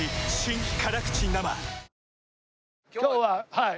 今日ははい。